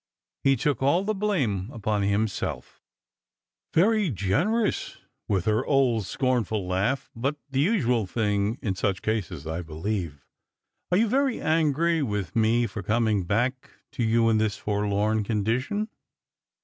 He took all the blame upon himself" "Very generous," with her old scornful laugh; "but the usual thing in sucja '^ases, I believe. Are you very angry with me for coming back to you in this forlorn condition